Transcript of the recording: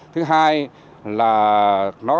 thứ hai là nó